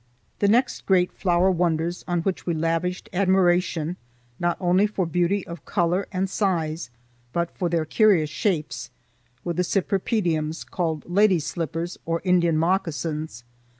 The next great flower wonders on which we lavished admiration, not only for beauty of color and size, but for their curious shapes, were the cypripediums, called "lady's slippers" or "Indian moccasins."